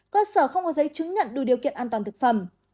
cơ sở không có giấy chứng nhận đủ điều kiện an toàn thực phẩm